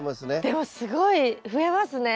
でもすごい増えますね。